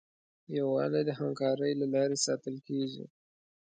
یووالی د همکارۍ له لارې ساتل کېږي.